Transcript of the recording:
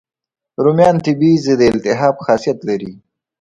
رومیان طبیعي ضد التهاب خاصیت لري.